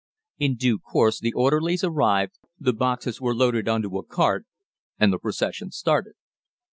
In due course the orderlies arrived, the boxes were loaded on to the cart, and the 'procession' started.